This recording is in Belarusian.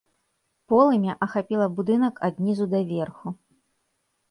Полымя ахапіла будынак ад нізу да верху.